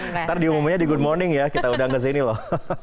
nanti diumumnya di good morning ya kita udah ke sini loh